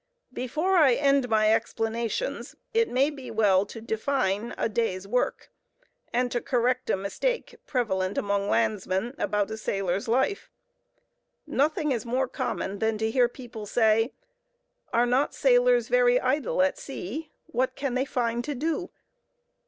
Before I end my explanations, it may be well to define a day's work, and to correct a mistake prevalent among landsmen about a sailor's life. Nothing is more common than to hear people say—"Are not sailors very idle at sea? what can they find to do?"